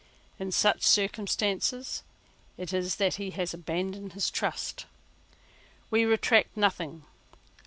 In such circumstances it is that he has abandoned his trust. We retract nothing.